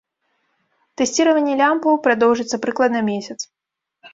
Тэсціраванне лямпаў прадоўжыцца прыкладна месяц.